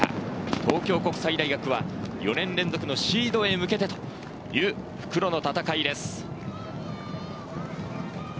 東京国際大学は４年連続のシードへ向けてという復路の戦いです。